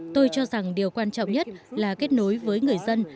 tôi cho rằng điều quan trọng nhất là kết nối với người dân